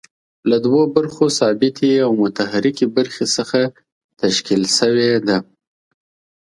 له دوو برخو ثابتې او متحرکې برخې څخه تشکیل شوې ده.